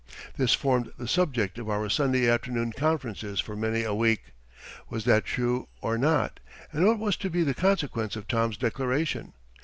This formed the subject of our Sunday afternoon conferences for many a week. Was that true or not, and what was to be the consequence of Tom's declaration?